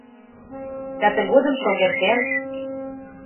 Да тыгодым шогертен